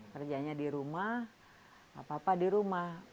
kerjanya di rumah apa apa di rumah